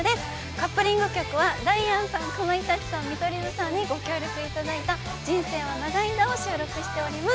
カップリング曲はダイアンさん、かまいたちさん取り図さんにご協力いただいた「人生は長いんだ」を収録してます。